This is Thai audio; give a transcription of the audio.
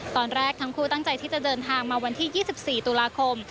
ตอนแรกทั้งคู่ตั้งใจที่จะเดินทางมาวันที่๒๔ตุลาคม